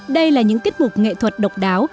đây là những kết mục nghệ thuật độc đáo